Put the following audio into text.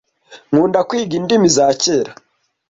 Nkunda kwiga indimi za kera.